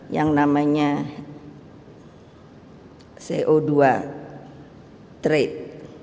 yang namanya co dua trade